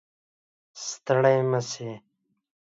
ستړی مشې